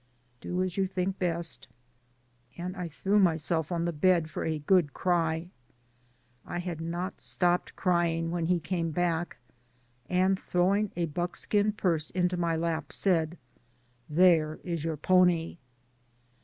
"Do as you think best." And I threw my self on the bed for a good cry. I had not stopped crying when he came back, and throwing a buckskin purse into my lap, said : "There is your pony."